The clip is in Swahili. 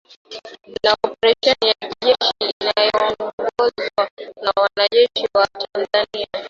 na oparesheni ya kijeshi yaliyoongozwa na wanajeshi wa Tanzania